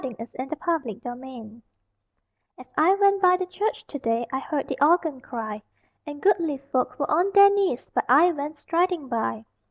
_] THE CHURCH OF UNBENT KNEES As I went by the church to day I heard the organ cry; And goodly folk were on their knees, But I went striding by.